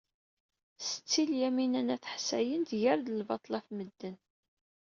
Setti Lyamina n At Ḥsayen tger-d lbaṭel ɣef medden.